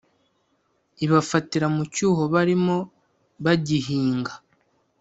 ibafatira mu cyuho barimo bagihinga